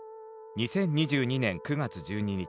２０２２年９月１２日